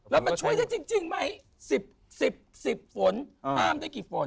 แล้วมันช่วยได้จริงไหม๑๐๑๐ฝนห้ามได้กี่ฝน